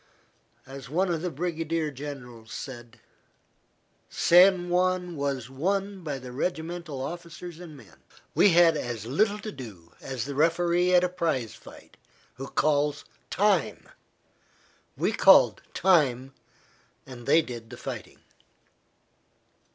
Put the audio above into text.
As one of the brigade generals said: "San Juan was won by the regimental officers and men. We had as little to do as the referee at a prize fight who calls 'time.' We called 'time' and they did the fighting."